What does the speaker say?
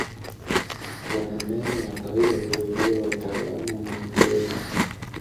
Wana meno ya kawaida vile vile wataalamu wanaongeza